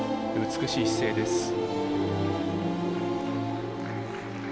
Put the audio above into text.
美しい姿勢です。